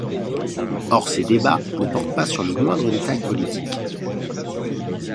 Or ces débats ne portent pas sur le moindre détail politique.